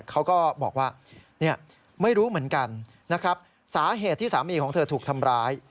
เขาก็บอกว่าไม่รู้เหมือนกันนะครับสาเหตุที่สามีของเธอถูกทำร้าย